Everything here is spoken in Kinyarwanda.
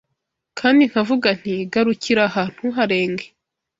Kandi nkavuga nti Garukira aha, ntuharenge